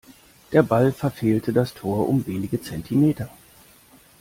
Der Ball verfehlte das Tor um wenige Zentimeter.